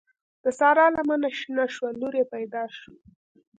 د سارا لمنه شنه شوه؛ لور يې پیدا شوه.